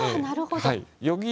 あなるほど。